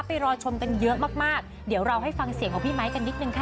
รอชมกันเยอะมากมากเดี๋ยวเราให้ฟังเสียงของพี่ไมค์กันนิดนึงค่ะ